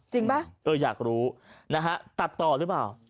ป่ะเอออยากรู้นะฮะตัดต่อหรือเปล่า